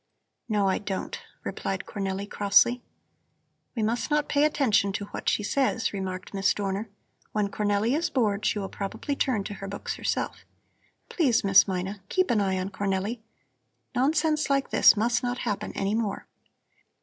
"No, I don't," replied Cornelli crossly. "We must not pay attention to what she says," remarked Miss Dorner. "When Cornelli is bored, she will probably turn to her books herself. Please, Miss Mina, keep an eye on Cornelli. Nonsense like this must not happen any more."